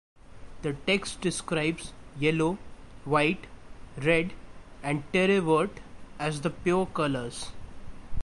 The text describes yellow, white, red and terreVerte as the pure colours.